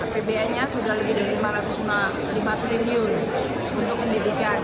pba nya sudah lebih dari lima ratus miliar lima triliun untuk pendidikan